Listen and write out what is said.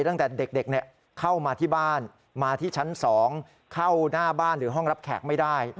ตั้งแต่เด็กเข้ามาที่บ้านมาที่ชั้น๒เข้าหน้าบ้านหรือห้องรับแขกไม่ได้